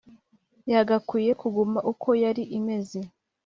yagakwiye kuguma uko yari imeze